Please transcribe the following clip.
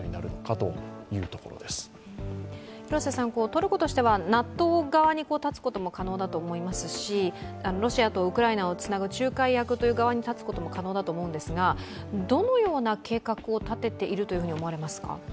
トルコとしてはＮＡＴＯ側に立つことも可能だと思いますしロシアとウクライナをつなぐ仲介役という側に立つことも可能だと思うんですが、どのような計画を立てていると思われますか？